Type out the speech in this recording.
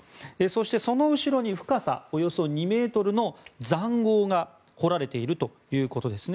そして、その後ろに深さおよそ２ｍの塹壕が掘られているということです。